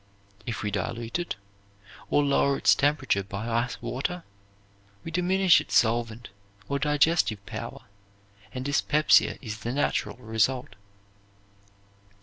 If we dilute it, or lower its temperature by ice water, we diminish its solvent or digestive power, and dyspepsia is the natural result.